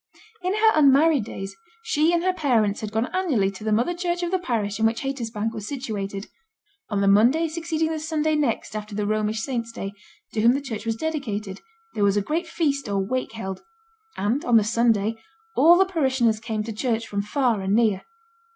In her unmarried days, she and her parents had gone annually to the mother church of the parish in which Haytersbank was situated: on the Monday succeeding the Sunday next after the Romish Saint's Day, to whom the church was dedicated, there was a great feast or wake held; and, on the Sunday, all the parishioners came to church from far and near.